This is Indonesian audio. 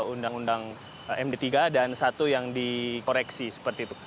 undang undang md tiga dan satu yang dikoreksi seperti itu